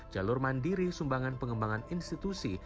jalur mandiri sumbangan pengembangan institusi